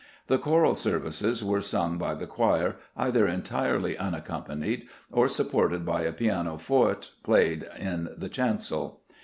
The choral services were sung by the choir either entirely unaccompanied or supported by a pianoforte played in the chancel.